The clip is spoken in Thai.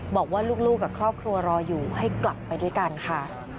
บอกว่าลูกกับครอบครัวรออยู่ให้กลับไปด้วยกันค่ะ